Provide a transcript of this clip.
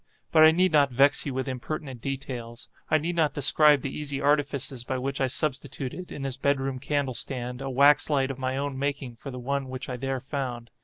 But I need not vex you with impertinent details. I need not describe the easy artifices by which I substituted, in his bed room candle stand, a wax light of my own making for the one which I there found.